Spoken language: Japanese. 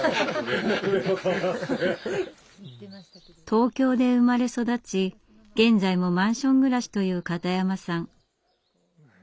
東京で生まれ育ち現在もマンション暮らしという片山さん。